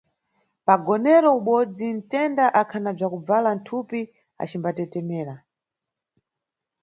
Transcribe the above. Pa nʼgonero ubodzi mtenda akhana bzakubvala mthupi acimbatetemera.